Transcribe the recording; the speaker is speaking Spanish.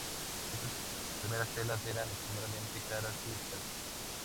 Estas primeras telas eran extremadamente caras y escasas.